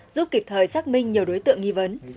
giúp kịp thời xác minh nhiều đối tượng nghi vấn